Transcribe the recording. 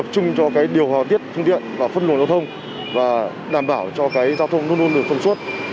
giúp cho điều hòa tiết phương tiện và phân luận giao thông và đảm bảo cho giao thông luôn luôn được phân suốt